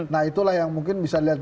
nah itulah yang mungkin bisa dilihat